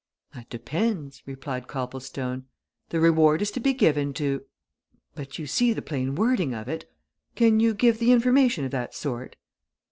"That depends," replied Copplestone. "The reward is to be given to but you see the plain wording of it. Can you give information of that sort?"